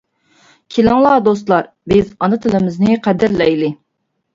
كېلىڭلار، دوستلار، بىز ئانا تىلىمىزنى قەدىرلەيلى!